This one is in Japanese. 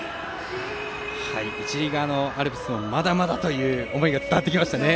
一塁側アルプスもまだまだという思いが伝わりますね。